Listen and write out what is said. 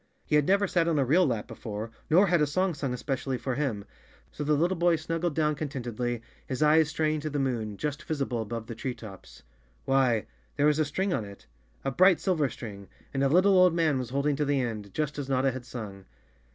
He had never sat on a real lap before, nor had a song sung es¬ pecially for him. So the little boy snuggled down con¬ tentedly, his eyes straying to the moon, just visible above the tree tops. Why, there was a string on it, a bright silver string, and a little, old man was holding to the end, just as Notta had sung!